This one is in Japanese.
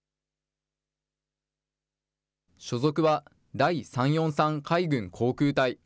所属は、第三四三海軍航空隊。